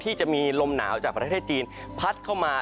จะมีลมหนาวจากประเทศจีนพัดเข้ามา